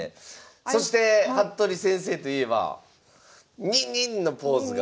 そして服部先生といえばのポーズが。